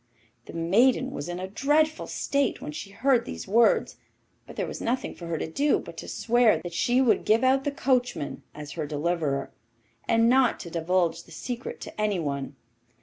The maiden was in a dreadful state when she heard these words; but there was nothing for her to do but to swear that she would give out the coachman as her deliverer, and not to divulge the secret to anyone.